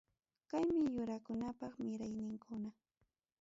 Kaymi yurakunapa mirayninkuna.